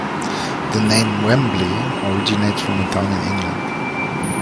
The name 'Wembley' originates from a town in England.